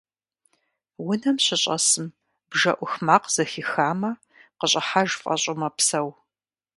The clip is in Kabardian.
Унэм щыщӀэсым, бжэ Ӏух макъ зэхихамэ, къыщӀыхьэж фӀэщӀу мэпсэу.